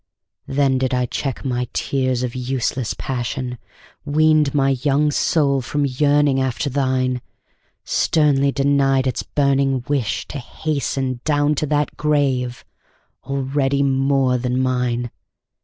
Then did I check my tears of useless passion, Weaned my young soul from yearning after thine, Sternly denied its burning wish to hasten Down to that grave already more than mine!